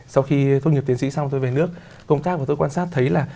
sau khi thu nhập tiến sĩ xong tôi về nước công tác của tôi quan sát thấy là